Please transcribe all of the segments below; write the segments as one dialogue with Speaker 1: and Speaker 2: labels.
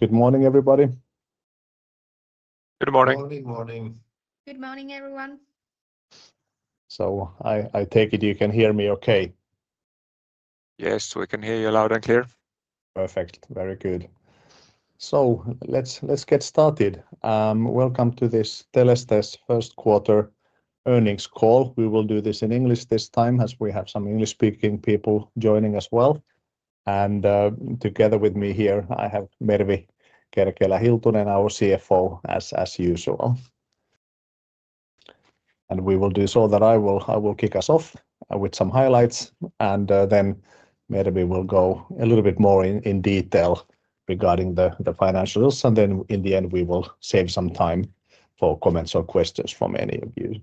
Speaker 1: Good morning, everybody.
Speaker 2: Good morning.
Speaker 3: Morning.
Speaker 4: Good morning, everyone.
Speaker 1: So I take it you can hear me okay?
Speaker 2: Yes, we can hear you loud and clear.
Speaker 1: Perfect, very good. Let's get started. Welcome to this Teleste's first quarter earnings call. We will do this in English this time, as we have some English-speaking people joining as well. Together with me here, I have Mervi Kerkelä-Hiltunen, our CFO, as usual. We will do so that I will kick us off with some highlights, and then Mervi will go a little bit more in detail regarding the financials. In the end, we will save some time for comments or questions from any of you.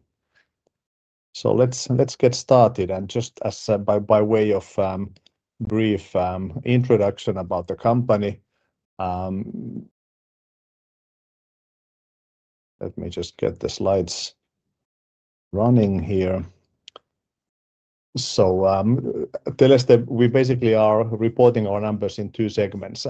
Speaker 1: Let's get started. Just by way of brief introduction about the company, let me just get the slides running here. Teleste, we basically are reporting our numbers in two segments.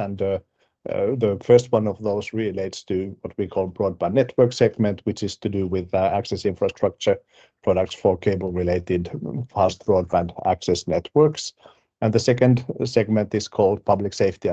Speaker 1: The first one of those relates to what we call broadband network segment, which is to do with access infrastructure products for cable-related fast broadband access networks. The second segment is called public safety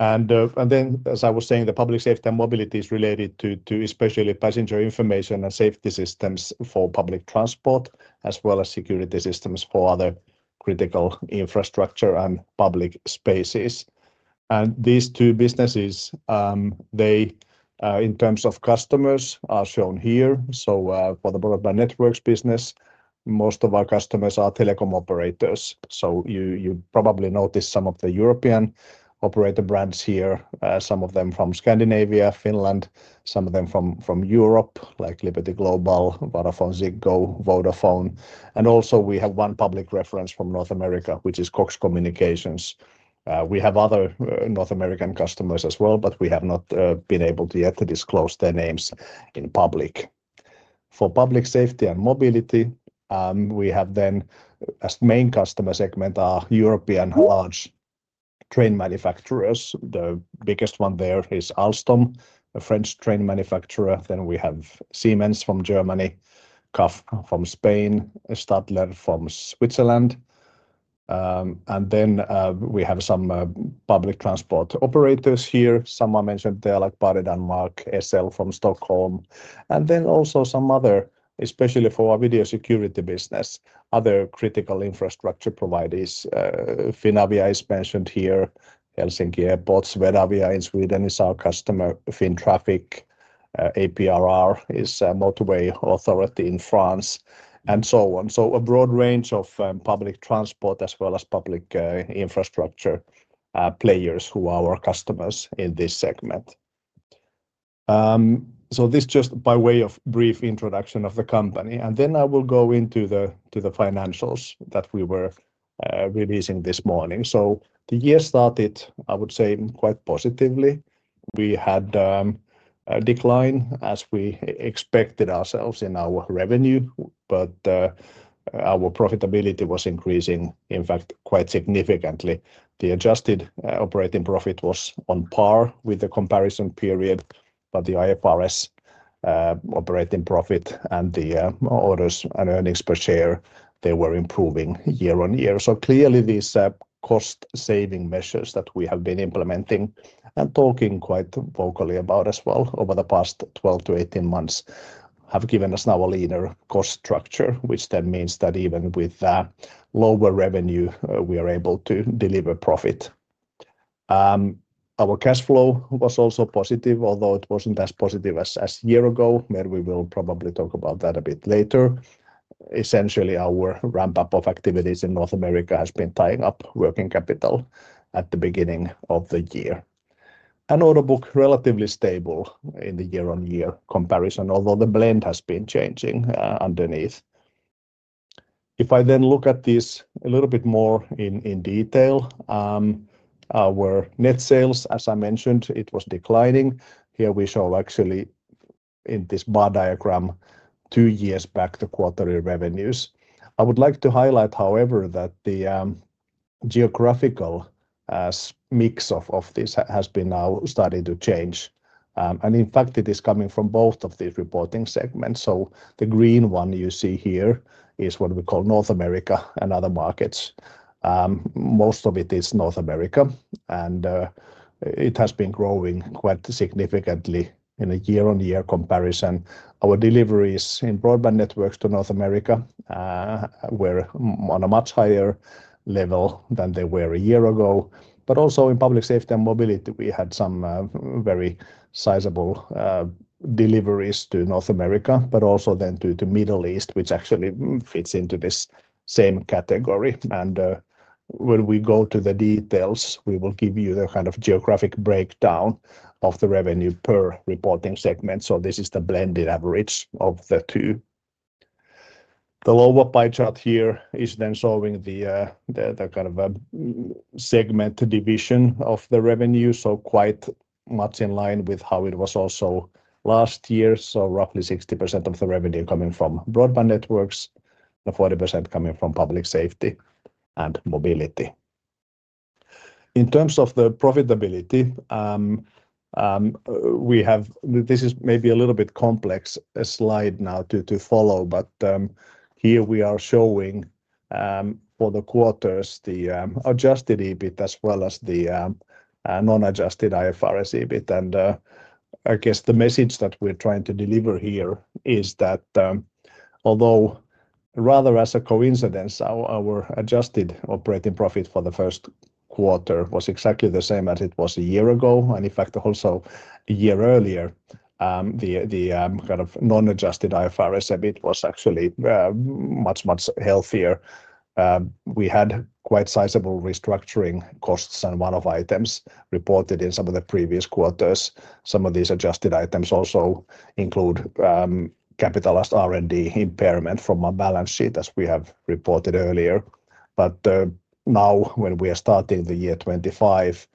Speaker 1: and mobility, where we are providing. Sorry, did somebody say something?
Speaker 4: I think we can hear pretty well on the line.
Speaker 1: Okay, there was somebody commenting something on the line. If you can hear me okay, that's good. Let me know if there's any problem with the audio. As I was saying, the public safety and mobility is related to especially passenger information and safety systems for public transport, as well as security systems for other critical infrastructure and public spaces. These two businesses, in terms of customers, are shown here. For the broadband networks business, most of our customers are telecom operators. You probably noticed some of the European operator brands here, some of them from Scandinavia, Finland, some of them from Europe, like Liberty Global, VodafoneZiggo, Vodafone. We also have one public reference from North America, which is Cox Communications. We have other North American customers as well, but we have not been able to yet disclose their names in public. For public safety and mobility, we have then as main customer segment are European large train manufacturers. The biggest one there is Alstom, a French train manufacturer. Then we have Siemens from Germany, CAF from Spain, Stadler from Switzerland. We have some public transport operators here. Some are mentioned there, like [Baden Denmark], SL from Stockholm. Also some other, especially for our video security business, other critical infrastructure providers. Finavia is mentioned here, Helsinki Airport, Swedavia in Sweden is our customer, Finntraffic, APRR is a motorway authority in France, and so on. A broad range of public transport as well as public infrastructure players who are our customers in this segment. This just by way of brief introduction of the company. I will go into the financials that we were releasing this morning. The year started, I would say, quite positively. We had a decline as we expected ourselves in our revenue, but our profitability was increasing, in fact, quite significantly. The adjusted operating profit was on par with the comparison period, but the IFRS operating profit and the orders and earnings per share, they were improving year on year. Clearly, these cost-saving measures that we have been implementing and talking quite vocally about as well over the past 12 months to 18 months have given us now a leaner cost structure, which then means that even with lower revenue, we are able to deliver profit. Our cash flow was also positive, although it was not as positive as a year ago, and we will probably talk about that a bit later. Essentially, our ramp-up of activities in North America has been tying up working capital at the beginning of the year. The order book is relatively stable in the year-on-year comparison, although the blend has been changing underneath. If I then look at this a little bit more in detail, our net sales, as I mentioned, it was declining. Here we show actually in this bar diagram two years back the quarterly revenues. I would like to highlight, however, that the geographical mix of this has been now starting to change. In fact, it is coming from both of these reporting segments. The green one you see here is what we call North America and other markets. Most of it is North America, and it has been growing quite significantly in a year-on-year comparison. Our deliveries in broadband networks to North America were on a much higher level than they were a year ago. Also in public safety and mobility, we had some very sizable deliveries to North America, but also to the Middle East, which actually fits into this same category. When we go to the details, we will give you the kind of geographic breakdown of the revenue per reporting segment. This is the blended average of the two. The lower pie chart here is showing the kind of segment division of the revenue, so quite much in line with how it was also last year. Roughly 60% of the revenue coming from broadband networks, and 40% coming from public safety and mobility. In terms of the profitability, this is maybe a little bit complex slide now to follow, but here we are showing for the quarters the adjusted EBIT as well as the non-adjusted IFRS EBIT. I guess the message that we're trying to deliver here is that although rather as a coincidence, our adjusted operating profit for the first quarter was exactly the same as it was a year ago. In fact, also a year earlier, the kind of non-adjusted IFRS EBIT was actually much, much healthier. We had quite sizable restructuring costs on one of the items reported in some of the previous quarters. Some of these adjusted items also include capitalized R&D impairment from our balance sheet, as we have reported earlier. Now when we are starting the year 2025,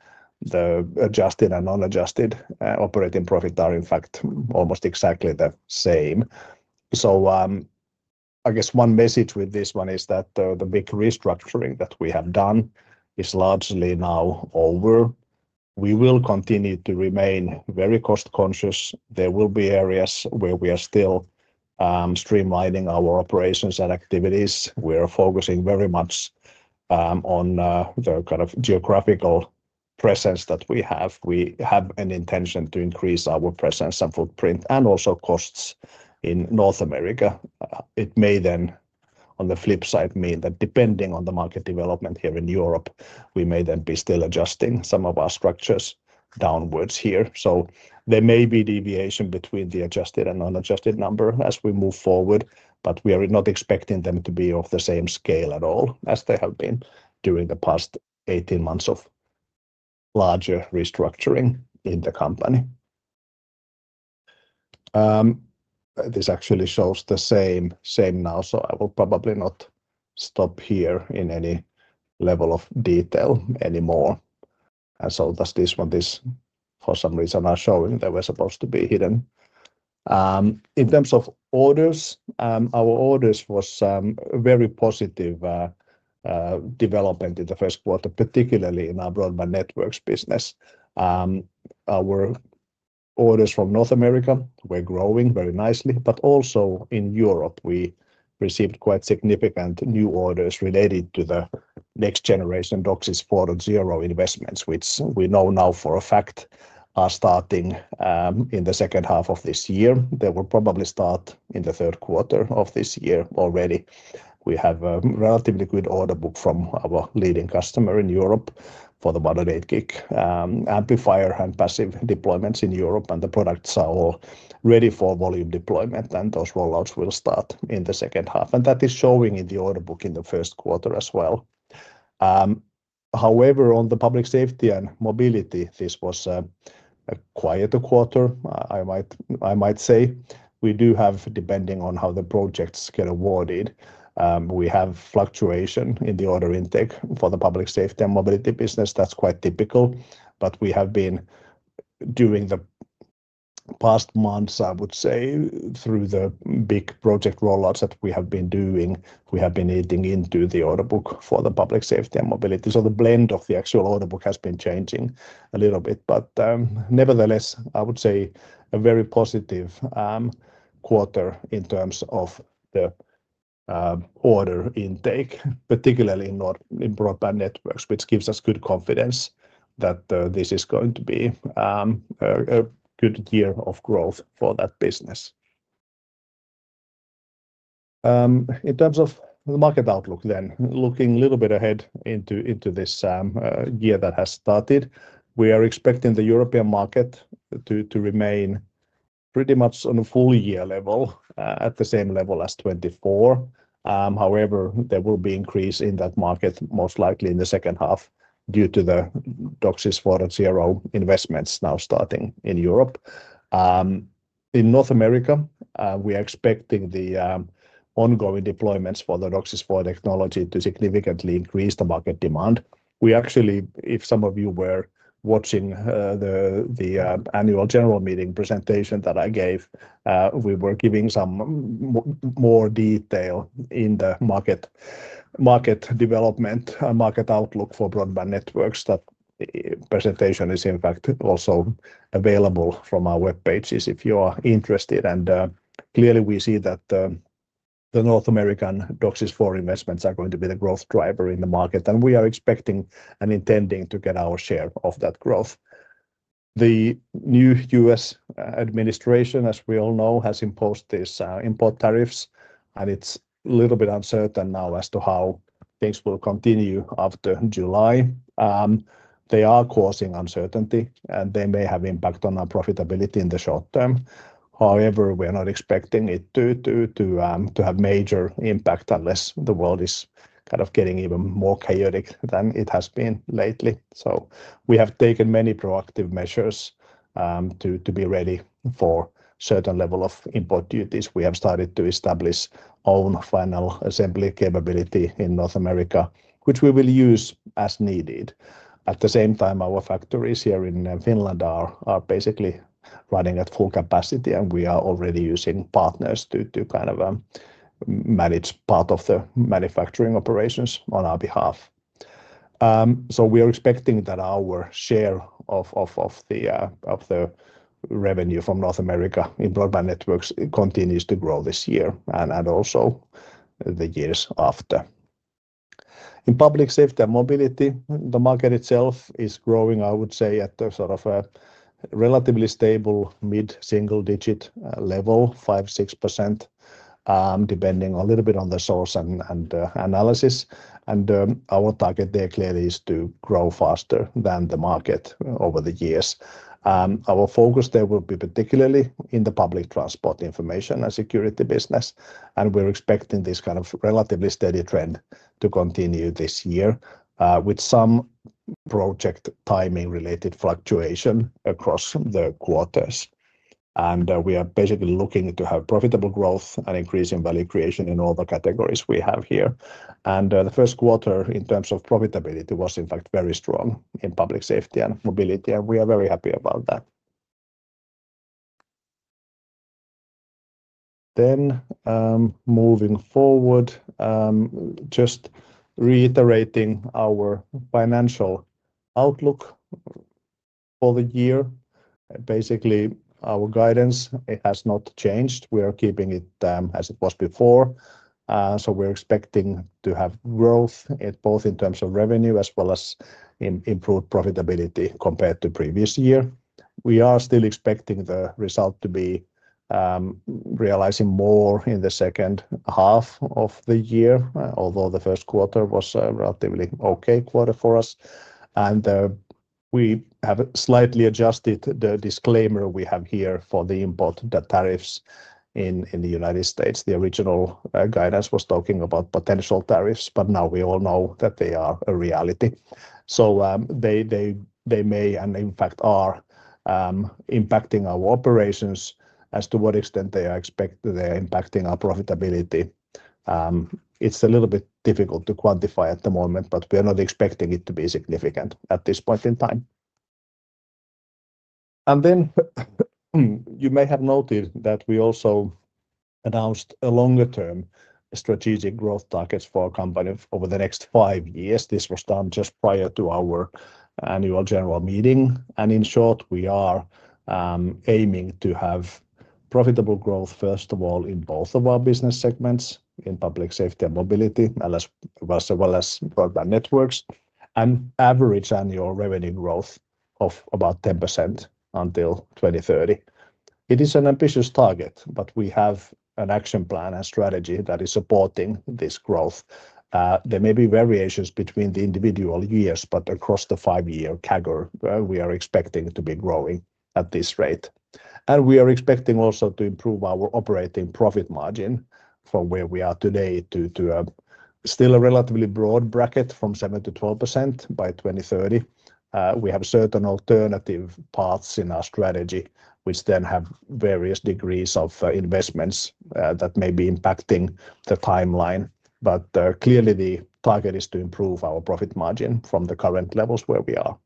Speaker 1: the adjusted and non-adjusted operating profit are in fact almost exactly the same. I guess one message with this one is that the big restructuring that we have done is largely now over. We will continue to remain very cost-conscious. There will be areas where we are still streamlining our operations and activities. We are focusing very much on the kind of geographical presence that we have. We have an intention to increase our presence and footprint and also costs in North America. It may then, on the flip side, mean that depending on the market development here in Europe, we may then be still adjusting some of our structures downwards here. There may be deviation between the adjusted and unadjusted number as we move forward, but we are not expecting them to be of the same scale at all as they have been during the past 18 months of larger restructuring in the company. This actually shows the same now, so I will probably not stop here in any level of detail anymore. For some reason, these are showing when they were supposed to be hidden. In terms of orders, our orders was a very positive development in the first quarter, particularly in our broadband networks business. Our orders from North America were growing very nicely, but also in Europe, we received quite significant new orders related to the next generation DOCSIS 4.0 investments, which we know now for a fact are starting in the second half of this year. They will probably start in the third quarter of this year already. We have a relatively good order book from our leading customer in Europe for the modern 8GHz amplifier and passive deployments in Europe, and the products are all ready for volume deployment, and those rollouts will start in the second half. That is showing in the order book in the first quarter as well. However, on the public safety and mobility, this was a quieter quarter, I might say. We do have, depending on how the projects get awarded, we have fluctuation in the order intake for the public safety and mobility business. That's quite typical, but we have been during the past months, I would say, through the big project rollouts that we have been doing, we have been eating into the order book for the public safety and mobility. The blend of the actual order book has been changing a little bit, but nevertheless, I would say a very positive quarter in terms of the order intake, particularly in broadband networks, which gives us good confidence that this is going to be a good year of growth for that business. In terms of the market outlook then, looking a little bit ahead into this year that has started, we are expecting the European market to remain pretty much on a full year level at the same level as 2024. However, there will be an increase in that market most likely in the second half due to the DOCSIS 4.0 investments now starting in Europe. In North America, we are expecting the ongoing deployments for the DOCSIS 4.0 technology to significantly increase the market demand. We actually, if some of you were watching the annual general meeting presentation that I gave, we were giving some more detail in the market development, market outlook for broadband networks. That presentation is in fact also available from our web pages if you are interested. Clearly, we see that the North American DOCSIS 4.0 investments are going to be the growth driver in the market, and we are expecting and intending to get our share of that growth. The new U.S. administration, as we all know, has imposed these import tariffs, and it's a little bit uncertain now as to how things will continue after July. They are causing uncertainty, and they may have impact on our profitability in the short term. However, we are not expecting it to have major impact unless the world is kind of getting even more chaotic than it has been lately. We have taken many proactive measures to be ready for a certain level of import duties. We have started to establish our own final assembly capability in North America, which we will use as needed. At the same time, our factories here in Finland are basically running at full capacity, and we are already using partners to kind of manage part of the manufacturing operations on our behalf. We are expecting that our share of the revenue from North America in broadband networks continues to grow this year and also the years after. In public safety and mobility, the market itself is growing, I would say, at a sort of a relatively stable mid-single digit level, 5%-6%, depending a little bit on the source and analysis. Our target there clearly is to grow faster than the market over the years. Our focus there will be particularly in the public transport information and security business, and we're expecting this kind of relatively steady trend to continue this year with some project timing-related fluctuation across the quarters. We are basically looking to have profitable growth and increase in value creation in all the categories we have here. The first quarter in terms of profitability was in fact very strong in public safety and mobility, and we are very happy about that. Moving forward, just reiterating our financial outlook for the year. Basically, our guidance has not changed. We are keeping it as it was before. We are expecting to have growth both in terms of revenue as well as improved profitability compared to previous year. We are still expecting the result to be realizing more in the second half of the year, although the first quarter was a relatively okay quarter for us. We have slightly adjusted the disclaimer we have here for the import tariffs in the U.S. The original guidance was talking about potential tariffs, but now we all know that they are a reality. They may and in fact are impacting our operations as to what extent they are impacting our profitability. It's a little bit difficult to quantify at the moment, but we are not expecting it to be significant at this point in time. You may have noted that we also announced longer-term strategic growth targets for our company over the next five years. This was done just prior to our annual general meeting. In short, we are aiming to have profitable growth, first of all, in both of our business segments, in public safety and mobility, as well as broadband networks, and average annual revenue growth of about 10% until 2030. It is an ambitious target, but we have an action plan and strategy that is supporting this growth. There may be variations between the individual years, but across the five-year CAGR, we are expecting to be growing at this rate. We are expecting also to improve our operating profit margin from where we are today to still a relatively broad bracket from 7%-12% by 2030. We have certain alternative paths in our strategy, which then have various degrees of investments that may be impacting the timeline. Clearly, the target is to improve our profit margin from the current levels where we are.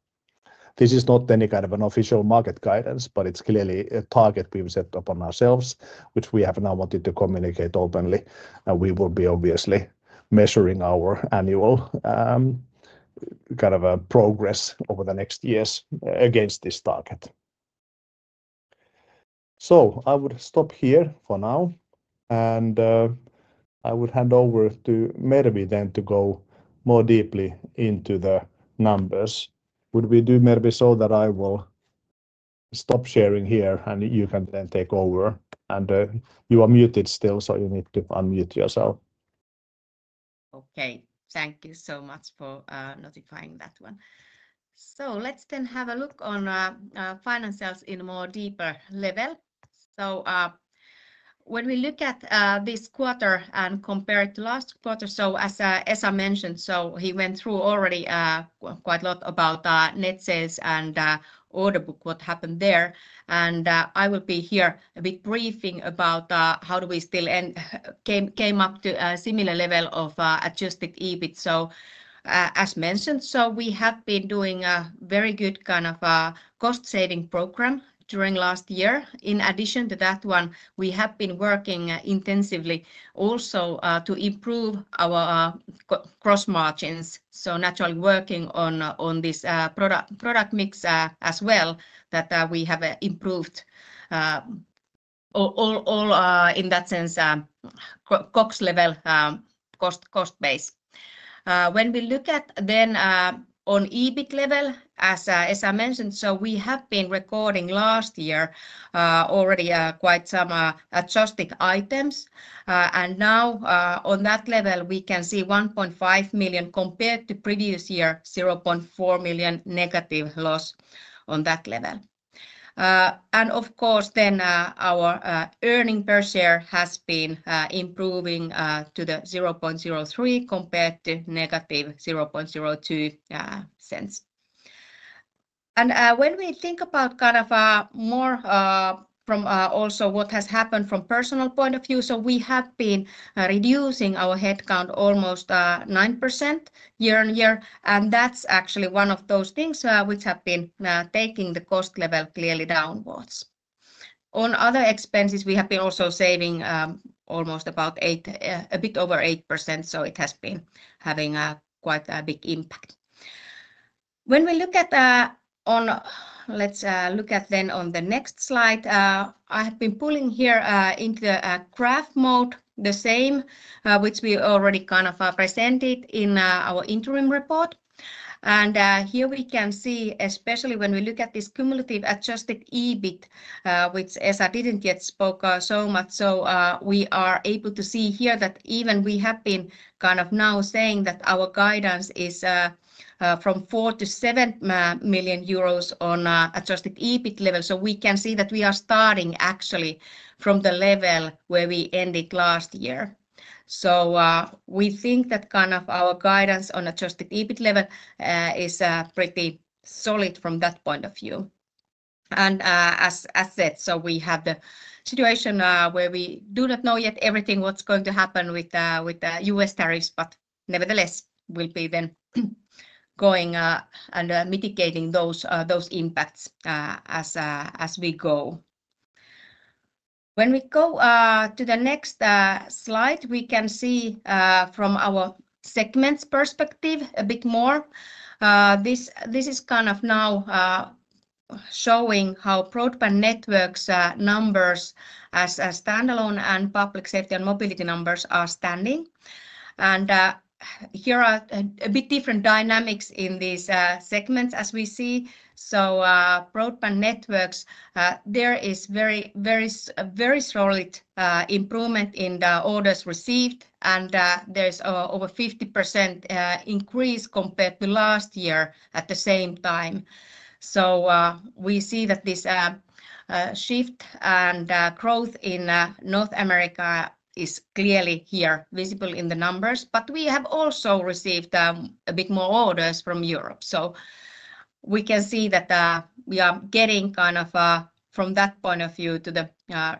Speaker 1: This is not any kind of an official market guidance, but it is clearly a target we have set up on ourselves, which we have now wanted to communicate openly. We will be obviously measuring our annual kind of progress over the next years against this target. I would stop here for now, and I would hand over to Mervi then to go more deeply into the numbers. Would we do, Mervi, so that I will stop sharing here, and you can then take over? You are muted still, so you need to unmute yourself.
Speaker 4: Okay, thank you so much for notifying that one. Let's then have a look on financials in a more deeper level. When we look at this quarter and compare it to last quarter, as Esa mentioned, he went through already quite a lot about net sales and order book, what happened there. I will be here a bit briefing about how do we still came up to a similar level of adjusted EBIT. As mentioned, we have been doing a very good kind of cost-saving program during last year. In addition to that one, we have been working intensively also to improve our gross margins. Naturally, working on this product mix as well, we have improved all in that sense, cost level, cost base. When we look at then on EBIT level, as Esa mentioned, we have been recording last year already quite some adjusted items. Now on that level, we can see 1.5 million compared to previous year, 0.4 million negative loss on that level. Of course, then our earnings per share has been improving to 0.03 compared to negative 0.02. When we think about kind of more from also what has happened from personal point of view, we have been reducing our headcount almost 9% year on year. That is actually one of those things which have been taking the cost level clearly downwards. On other expenses, we have been also saving almost about a bit over 8%, so it has been having quite a big impact. When we look at, let's look at then on the next slide, I have been pulling here into the graph mode, the same which we already kind of presented in our interim report. And here we can see, especially when we look at this cumulative adjusted EBIT, which Esa didn't yet spoke so much. So we are able to see here that even we have been kind of now saying that our guidance is from 4 million-7 million euros on adjusted EBIT level. So we can see that we are starting actually from the level where we ended last year. So we think that kind of our guidance on adjusted EBIT level is pretty solid from that point of view. As said, we have the situation where we do not know yet everything what's going to happen with the U.S. tariffs, but nevertheless will be then going and mitigating those impacts as we go. When we go to the next slide, we can see from our segments perspective a bit more. This is kind of now showing how broadband networks numbers as standalone and public safety and mobility numbers are standing. Here are a bit different dynamics in these segments as we see. Broadband networks, there is very, very, very solid improvement in the orders received, and there's over 50% increase compared to last year at the same time. We see that this shift and growth in North America is clearly here visible in the numbers, but we have also received a bit more orders from Europe. We can see that we are getting kind of from that point of view to the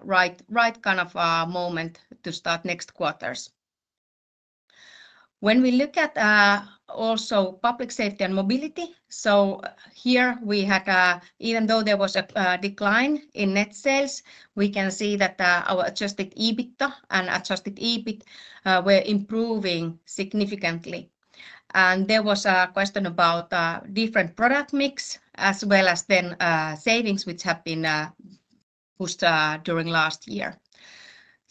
Speaker 4: right kind of moment to start next quarters. When we look at also public safety and mobility, here we had, even though there was a decline in net sales, we can see that our adjusted EBIT and adjusted EBIT were improving significantly. There was a question about different product mix as well as then savings which have been pushed during last year.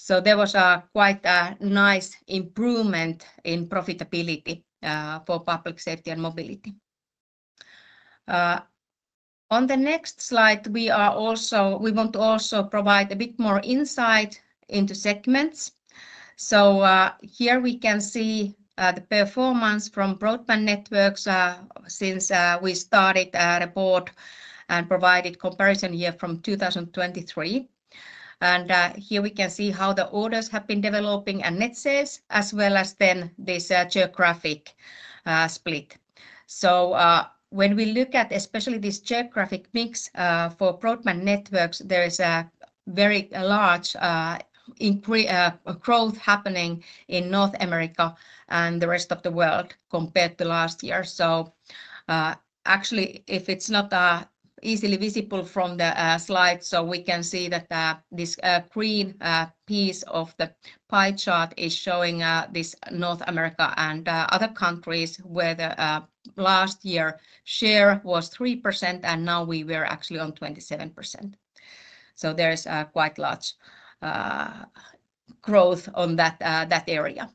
Speaker 4: There was a quite nice improvement in profitability for public safety and mobility. On the next slide, we want to also provide a bit more insight into segments. Here we can see the performance from broadband networks since we started the report and provided comparison here from 2023. Here we can see how the orders have been developing and net sales as well as this geographic split. When we look at especially this geographic mix for broadband networks, there is a very large growth happening in North America and the rest of the world compared to last year. Actually, if it's not easily visible from the slide, we can see that this green piece of the pie chart is showing this North America and other countries where the last year share was 3% and now we were actually on 27%. There is quite large growth on that area.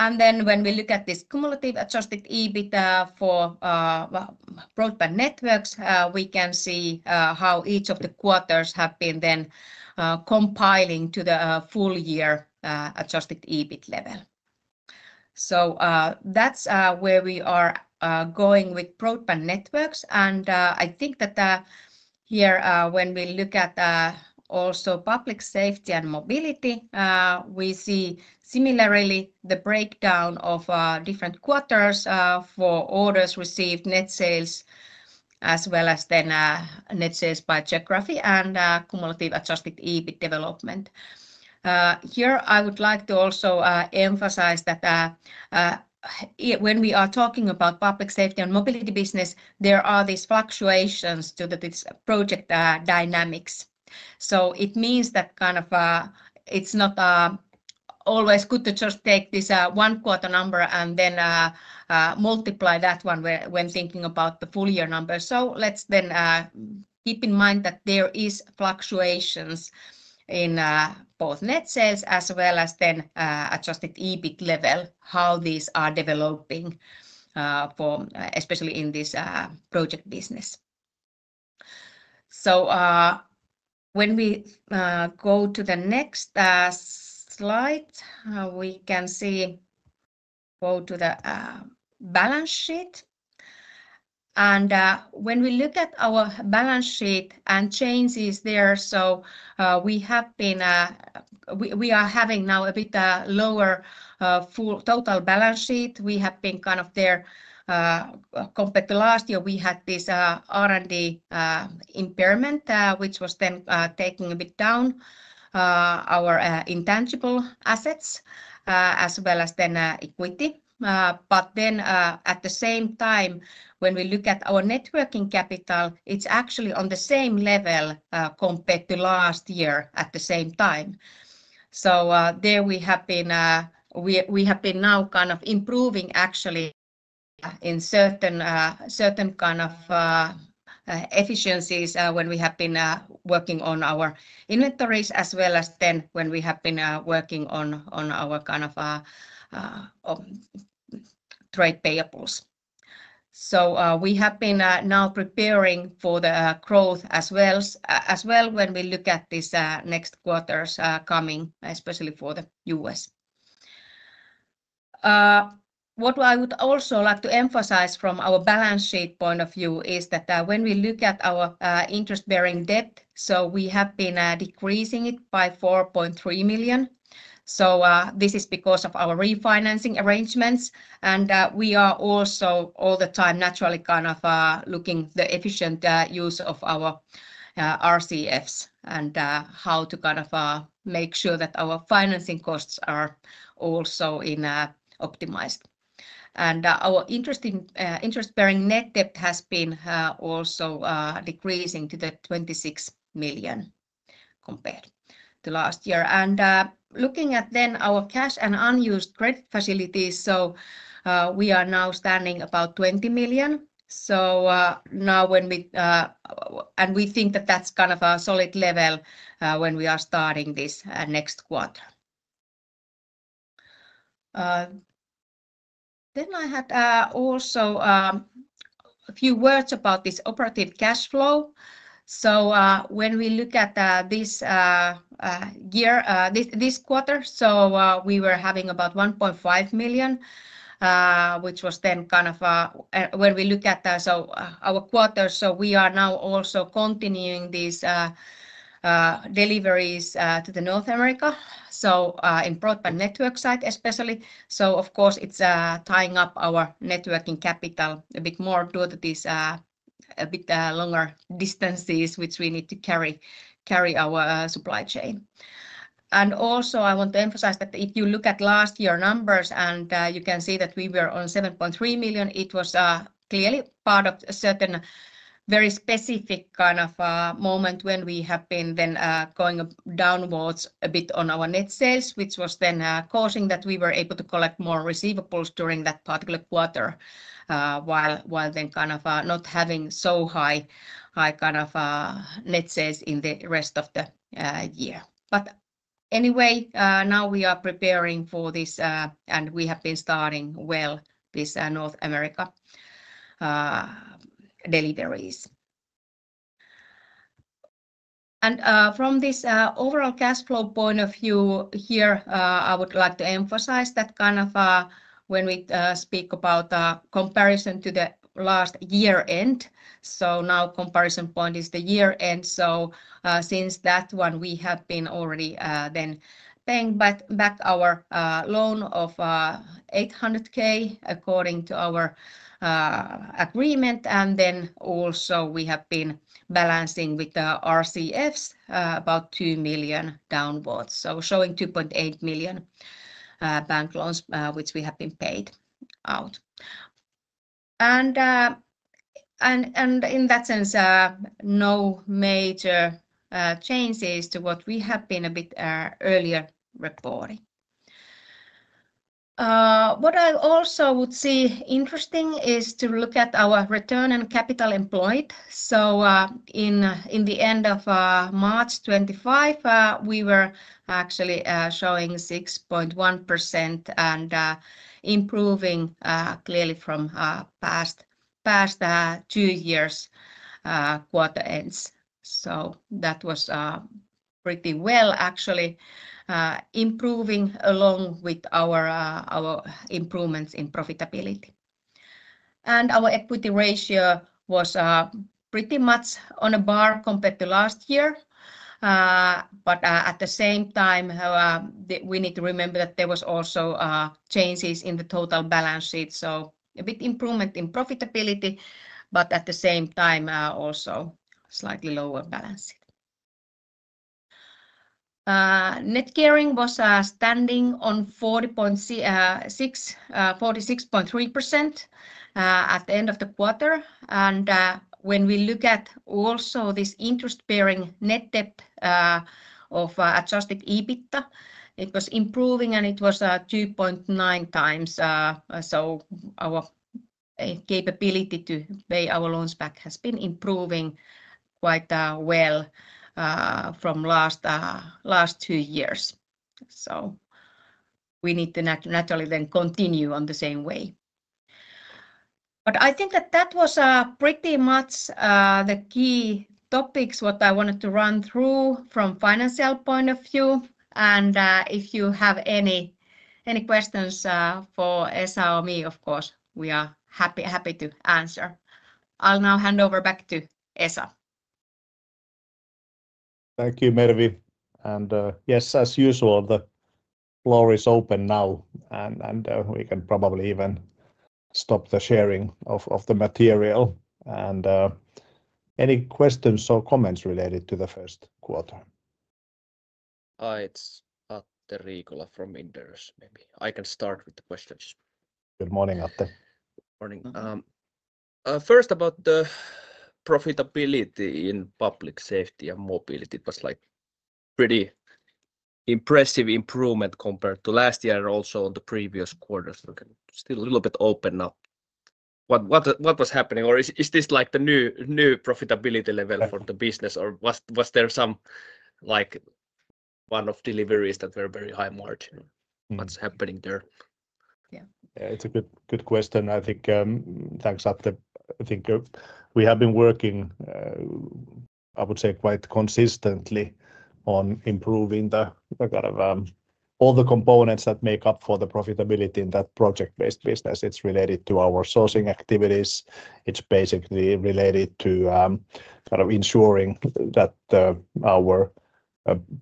Speaker 4: When we look at this cumulative adjusted EBIT for broadband networks, we can see how each of the quarters have been compiling to the full year adjusted EBIT level. That's where we are going with broadband networks. I think that here when we look at also public safety and mobility, we see similarly the breakdown of different quarters for orders received, net sales, as well as then net sales by geography and cumulative adjusted EBIT development. Here I would like to also emphasize that when we are talking about public safety and mobility business, there are these fluctuations to this project dynamics. It means that kind of it's not always good to just take this one quarter number and then multiply that one when thinking about the full year number. Let's then keep in mind that there are fluctuations in both net sales as well as then adjusted EBIT level, how these are developing, especially in this project business. When we go to the next slide, we can see go to the balance sheet. When we look at our balance sheet and changes there, we are having now a bit lower total balance sheet. We have been kind of there compared to last year. We had this R&D impairment, which was then taking a bit down our intangible assets as well as equity. At the same time, when we look at our networking capital, it is actually on the same level compared to last year at the same time. We have been now kind of improving actually in certain efficiencies when we have been working on our inventories as well as when we have been working on our trade payables. We have been now preparing for the growth as well when we look at this next quarters coming, especially for the U.S. What I would also like to emphasize from our balance sheet point of view is that when we look at our interest-bearing debt, we have been decreasing it by 4.3 million. This is because of our refinancing arrangements. We are also all the time naturally kind of looking at the efficient use of our RCFs and how to kind of make sure that our financing costs are also optimized. Our interest-bearing net debt has been also decreasing to the 26 million compared to last year. Looking at our cash and unused credit facilities, we are now standing at about 20 million. We think that that's kind of a solid level when we are starting this next quarter. I had also a few words about this operative cash flow. When we look at this year, this quarter, we were having about 1.5 million, which was then kind of when we look at our quarters, we are now also continuing these deliveries to North America, in broadband network site especially. Of course, it's tying up our networking capital a bit more due to these a bit longer distances which we need to carry our supply chain. I also want to emphasize that if you look at last year's numbers and you can see that we were on 7.3 million, it was clearly part of a certain very specific kind of moment when we have been then going downwards a bit on our net sales, which was then causing that we were able to collect more receivables during that particular quarter while then kind of not having so high kind of net sales in the rest of the year. Anyway, now we are preparing for this and we have been starting well this North America deliveries. From this overall cash flow point of view here, I would like to emphasize that kind of when we speak about comparison to the last year end. Now comparison point is the year end. Since that one, we have been already then paying back our loan of 800,000 according to our agreement. Also, we have been balancing with the RCFs about 2 million downwards. Showing 2.8 million bank loans which we have been paid out. In that sense, no major changes to what we have been a bit earlier reporting. What I also would see interesting is to look at our return on capital employed. In the end of March 2025, we were actually showing 6.1% and improving clearly from past two years quarter ends. That was pretty well actually improving along with our improvements in profitability. Our equity ratio was pretty much on a par compared to last year. At the same time, we need to remember that there were also changes in the total balance sheet. A bit improvement in profitability, but at the same time also slightly lower balance sheet. Net carrying was standing on 46.3% at the end of the quarter. When we look at also this interest-bearing net debt of adjusted EBIT, it was improving and it was 2.9 times. Our capability to pay our loans back has been improving quite well from last two years. We need to naturally then continue on the same way. I think that that was pretty much the key topics what I wanted to run through from financial point of view. If you have any questions for Esa or me, of course, we are happy to answer. I'll now hand over back to Esa.
Speaker 1: Thank you, Mervi. Yes, as usual, the floor is open now. We can probably even stop the sharing of the material. Any questions or comments related to the first quarter?
Speaker 5: It's Atte Riikola from Inderes. Maybe I can start with the questions.
Speaker 1: Good morning, Atte.
Speaker 5: Good morning. First, about the profitability in public safety and mobility. It was like pretty impressive improvement compared to last year and also on the previous quarters. Still a little bit open up. What was happening? Or is this like the new profitability level for the business? Or was there some one-off deliveries that were very high margin? What's happening there?
Speaker 1: Yeah, it's a good question. I think, thanks Atte, I think we have been working, I would say, quite consistently on improving the kind of all the components that make up for the profitability in that project-based business. It's related to our sourcing activities. It's basically related to kind of ensuring that our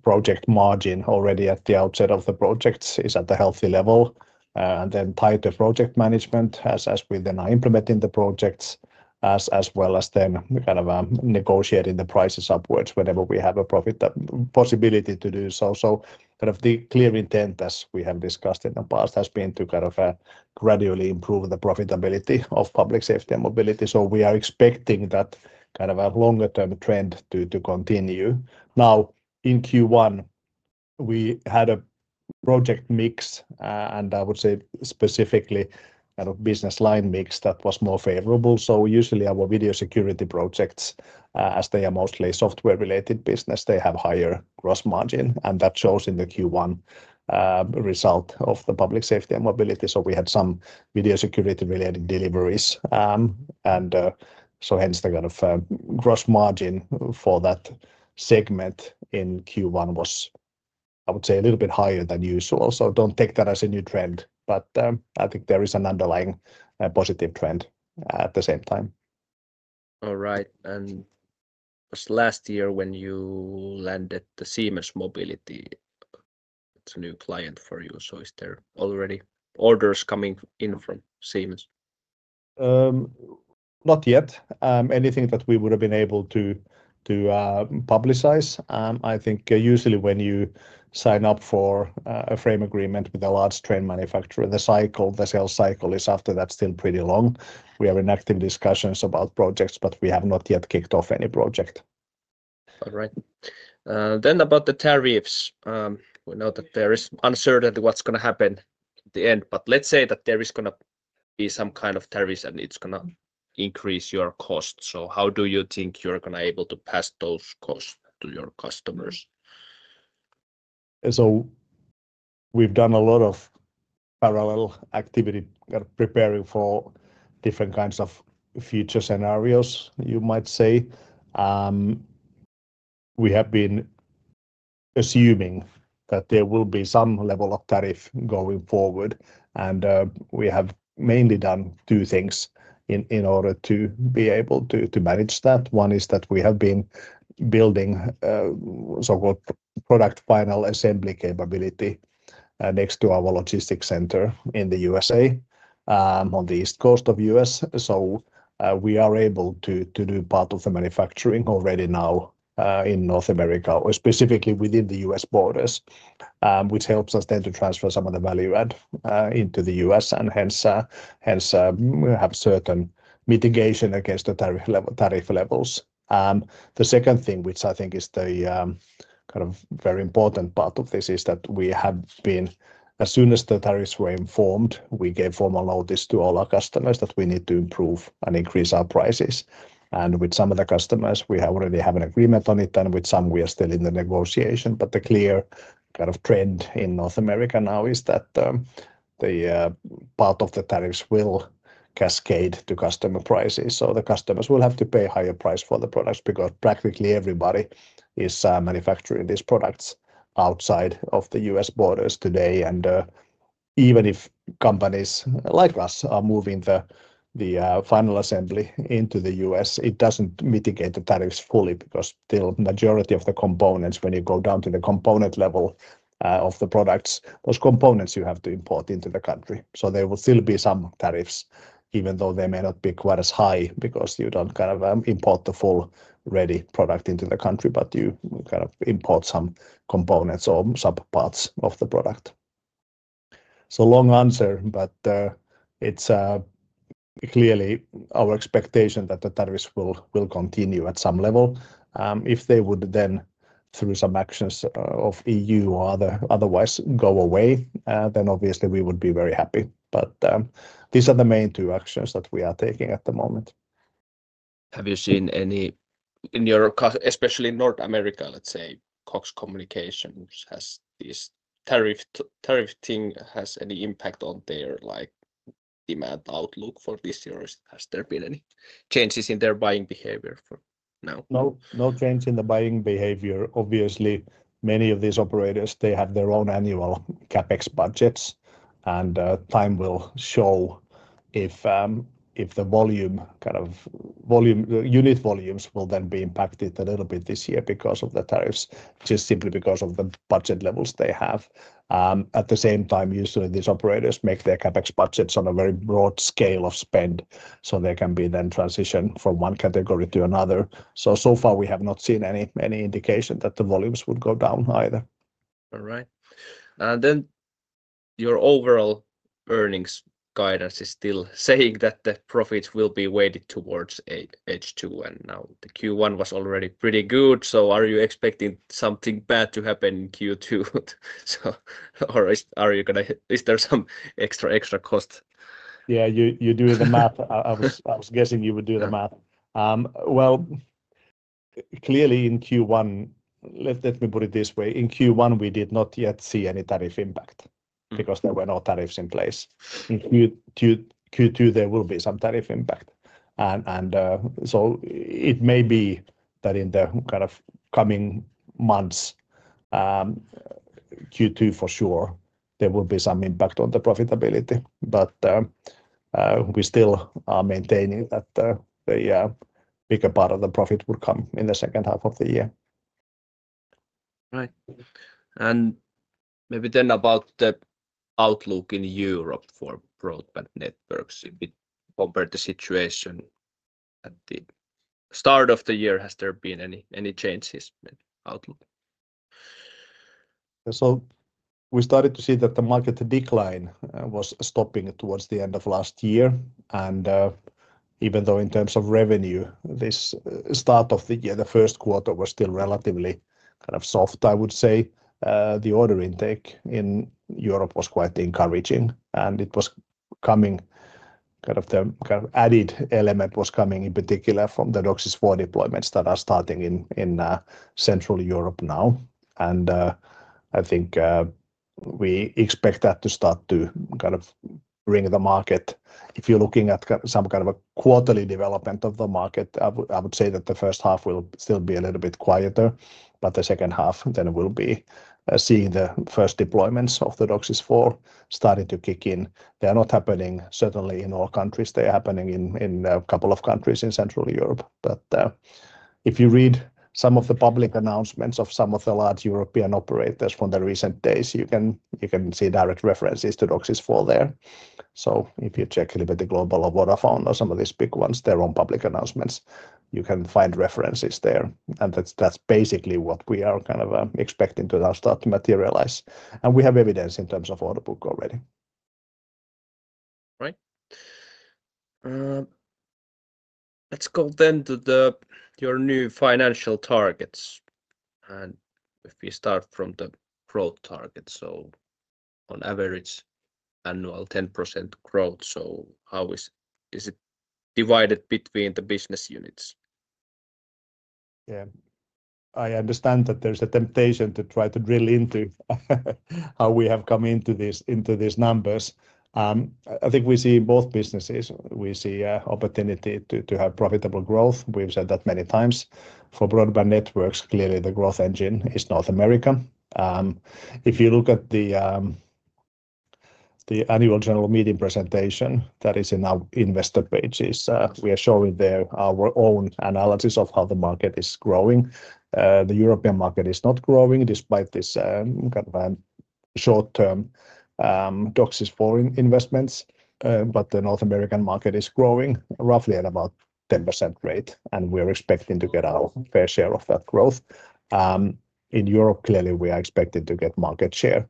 Speaker 1: project margin already at the outset of the projects is at a healthy level. Then tighter project management as we are implementing the projects, as well as kind of negotiating the prices upwards whenever we have a profit possibility to do so. The clear intent, as we have discussed in the past, has been to kind of gradually improve the profitability of public safety and mobility. We are expecting that kind of a longer-term trend to continue. Now, in Q1, we had a project mix, and I would say specifically kind of business line mix that was more favorable. Usually our video security projects, as they are mostly software-related business, have higher gross margin. That shows in the Q1 result of the public safety and mobility. We had some video security-related deliveries. Hence, the kind of gross margin for that segment in Q1 was, I would say, a little bit higher than usual. Do not take that as a new trend. I think there is an underlying positive trend at the same time.
Speaker 5: All right. Last year, when you landed the Siemens Mobility, it is a new client for you. Is there already orders coming in from Siemens?
Speaker 1: Not yet. Anything that we would have been able to publicize. I think usually when you sign up for a frame agreement with a large train manufacturer, the sales cycle is after that still pretty long. We are in active discussions about projects, but we have not yet kicked off any project.
Speaker 5: All right. About the tariffs. We know that there is uncertainty what is going to happen at the end. Let's say that there is going to be some kind of tariffs and it's going to increase your cost. How do you think you're going to be able to pass those costs to your customers?
Speaker 1: We've done a lot of parallel activity preparing for different kinds of future scenarios, you might say. We have been assuming that there will be some level of tariff going forward. We have mainly done two things in order to be able to manage that. One is that we have been building so-called product final assembly capability next to our logistics center in the U.S., on the East Coast of the U.S. We are able to do part of the manufacturing already now in North America, specifically within the U.S. borders, which helps us then to transfer some of the value add into the U.S. We have certain mitigation against the tariff levels. The second thing, which I think is the kind of very important part of this, is that we have been, as soon as the tariffs were informed, we gave formal notice to all our customers that we need to improve and increase our prices. With some of the customers, we already have an agreement on it. With some, we are still in the negotiation. The clear kind of trend in North America now is that part of the tariffs will cascade to customer prices. The customers will have to pay a higher price for the products because practically everybody is manufacturing these products outside of the U.S. borders today. Even if companies like us are moving the final assembly into the U.S., it does not mitigate the tariffs fully because still the majority of the components, when you go down to the component level of the products, those components you have to import into the country. There will still be some tariffs, even though they may not be quite as high because you do not kind of import the full ready product into the country, but you kind of import some components or subparts of the product. Long answer, but it is clearly our expectation that the tariffs will continue at some level. If they would then, through some actions of the EU or otherwise, go away, obviously we would be very happy. These are the main two actions that we are taking at the moment.
Speaker 5: Have you seen any, in your, especially in North America, let's say, Cox Communications has this tariff thing, has any impact on their demand outlook for this year? Has there been any changes in their buying behavior for now?
Speaker 1: No change in the buying behavior. Obviously, many of these operators, they have their own annual CapEx budgets. Time will show if the volume, kind of unit volumes, will then be impacted a little bit this year because of the tariffs, just simply because of the budget levels they have. At the same time, usually these operators make their CapEx budgets on a very broad scale of spend. There can be then transition from one category to another. So far, we have not seen any indication that the volumes would go down either.
Speaker 5: All right. Your overall earnings guidance is still saying that the profits will be weighted towards H2. Now the Q1 was already pretty good. Are you expecting something bad to happen in Q2? Is there some extra cost?
Speaker 1: You do the math. I was guessing you would do the math. Clearly in Q1, let me put it this way. In Q1, we did not yet see any tariff impact because there were no tariffs in place. In Q2, there will be some tariff impact. It may be that in the coming months, Q2 for sure, there will be some impact on the profitability. We still are maintaining that the bigger part of the profit would come in the second half of the year.
Speaker 5: All right. Maybe then about the outlook in Europe for broadband networks compared to the situation at the start of the year, has there been any changes?
Speaker 1: We started to see that the market decline was stopping towards the end of last year. Even though in terms of revenue, this start of the year, the first quarter was still relatively kind of soft, I would say. The order intake in Europe was quite encouraging. It was coming, kind of the added element was coming in particular from the DOCSIS 4.0 deployments that are starting in Central Europe now. I think we expect that to start to kind of bring the market. If you're looking at some kind of a quarterly development of the market, I would say that the first half will still be a little bit quieter. But the second half, then we'll be seeing the first deployments of the DOCSIS 4.0 starting to kick in. They are not happening certainly in all countries. They are happening in a couple of countries in Central Europe. If you read some of the public announcements of some of the large European operators from the recent days, you can see direct references to DOCSIS 4.0 there. If you check a little bit the Liberty Global or Vodafone or some of these big ones, their own public announcements, you can find references there. That's basically what we are kind of expecting to start to materialize. We have evidence in terms of order book already.
Speaker 5: All right. Let's go then to your new financial targets. If we start from the growth targets, so on average, annual 10% growth. How is it divided between the business units?
Speaker 1: Yeah. I understand that there's a temptation to try to drill into how we have come into these numbers. I think we see in both businesses, we see an opportunity to have profitable growth. We've said that many times. For broadband networks, clearly the growth engine is North America. If you look at the annual general meeting presentation that is in our investor pages, we are showing there our own analysis of how the market is growing. The European market is not growing despite this kind of short-term DOCSIS 4.0 investments. The North American market is growing roughly at about 10% rate. We're expecting to get our fair share of that growth. In Europe, clearly we are expected to get market share.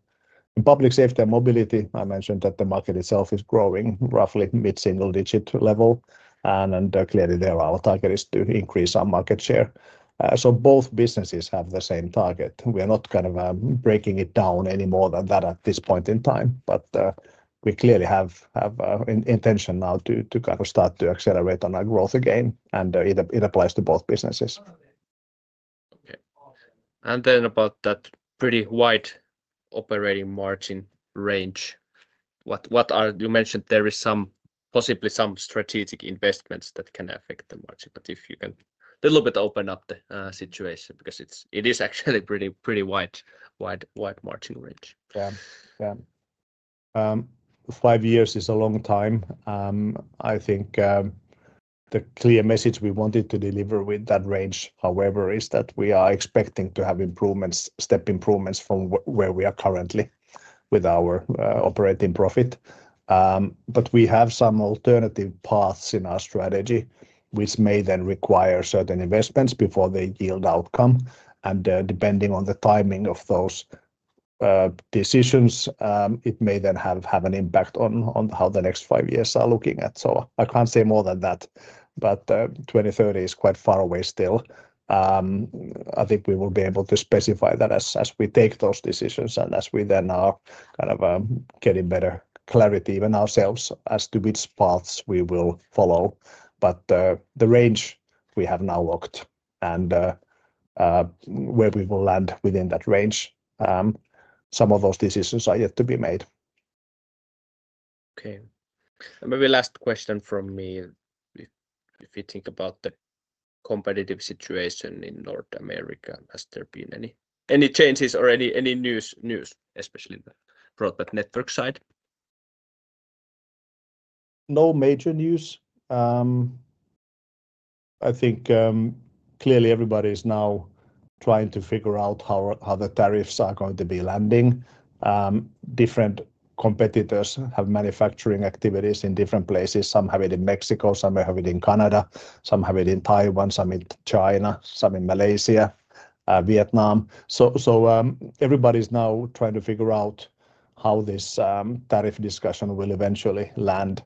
Speaker 1: In public safety and mobility, I mentioned that the market itself is growing roughly mid-single digit level. Clearly there our target is to increase our market share. Both businesses have the same target. We are not kind of breaking it down any more than that at this point in time. We clearly have intention now to kind of start to accelerate on our growth again. It applies to both businesses.
Speaker 5: Okay. Then about that pretty wide operating margin range. You mentioned there is possibly some strategic investments that can affect the margin. If you can a little bit open up the situation because it is actually pretty wide margin range.
Speaker 1: Yeah. Five years is a long time. I think the clear message we wanted to deliver with that range, however, is that we are expecting to have improvements, step improvements from where we are currently with our operating profit. We have some alternative paths in our strategy, which may then require certain investments before the yield outcome. Depending on the timing of those decisions, it may then have an impact on how the next five years are looking at. I cannot say more than that. 2030 is quite far away still. I think we will be able to specify that as we take those decisions and as we then are kind of getting better clarity even ourselves as to which paths we will follow. The range we have now looked and where we will land within that range, some of those decisions are yet to be made.
Speaker 5: Okay. Maybe last question from me. If you think about the competitive situation in North America, has there been any changes or any news, especially the broadband network side?
Speaker 1: No major news. I think clearly everybody is now trying to figure out how the tariffs are going to be landing. Different competitors have manufacturing activities in different places. Some have it in Mexico, some have it in Canada, some have it in Taiwan, some in China, some in Malaysia, Vietnam. Everybody is now trying to figure out how this tariff discussion will eventually land.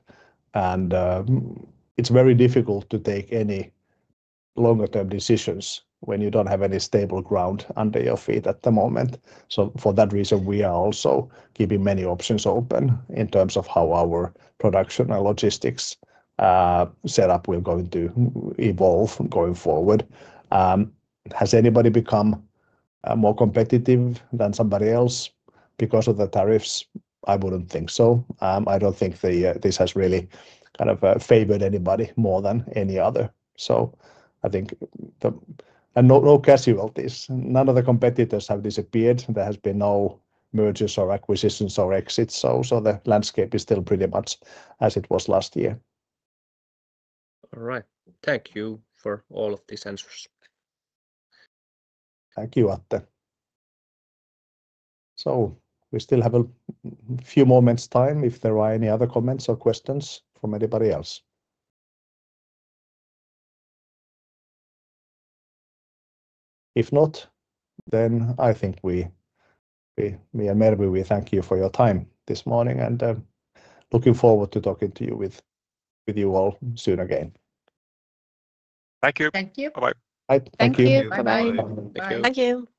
Speaker 1: It is very difficult to take any longer-term decisions when you do not have any stable ground under your feet at the moment. For that reason, we are also keeping many options open in terms of how our production and logistics setup will going to evolve going forward. Has anybody become more competitive than somebody else because of the tariffs? I would not think so. I do not think this has really kind of favored anybody more than any other. I think no casualties. None of the competitors have disappeared. There has been no mergers or acquisitions or exits. The landscape is still pretty much as it was last year.
Speaker 5: All right. Thank you for all of these answers.
Speaker 1: Thank you, Atte. We still have a few moments' time if there are any other comments or questions from anybody else. If not, I think we thank you for your time this morning and look forward to talking to you all soon again.
Speaker 4: Thank you.
Speaker 2: Bye-bye.
Speaker 3: Thank you.
Speaker 4: Bye-bye. Thank you.